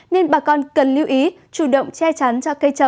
nên bà con cần lưu ý chủ động che chắn cho cây trồng